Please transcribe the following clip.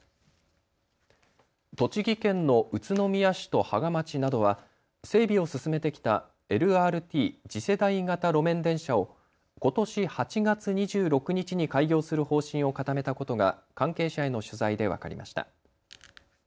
栃木県の宇都宮市と芳賀町などは整備を進めてきたＬＲＴ・次世代型路面電車をことし８月２６日に開業する方針を固めたことが関係者への取材で分かりました。